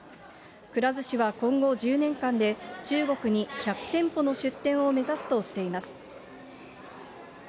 くら寿司は今後１０年間で、中国に１００店舗の出店を目指すとしています。